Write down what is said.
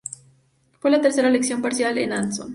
Fue la tercera elección parcial en Anson.